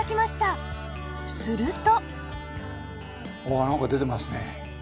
すると